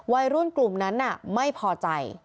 วัยรุ่นกลุ่มนั้นไม่พอใจ